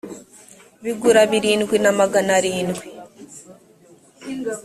bigurabirindwi na magana arindwi